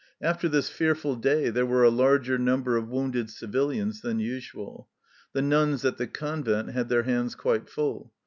After this fearful day there were a larger number of wounded civilians than usual. The nuns at the convent had their hands quite full.